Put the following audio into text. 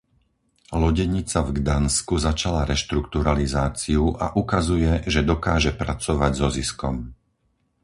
Lodenica v Gdansku začala reštrukturalizáciu a ukazuje, že dokáže pracovať so ziskom.